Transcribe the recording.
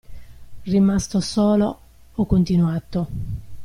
Rimasto solo, ho continuato.